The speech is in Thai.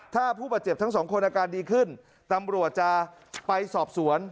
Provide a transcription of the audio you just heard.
ถ้าผู้บาดเจ็บทั้งสองคนอาการดีขึ้นตำรวจจะไปสอบสวน